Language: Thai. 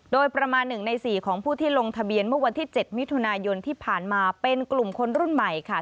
โดยประมาณ๑ใน๔ของผู้ที่ลงทะเบียนเมื่อวันที่๗มิถุนายนที่ผ่านมาเป็นกลุ่มคนรุ่นใหม่ค่ะ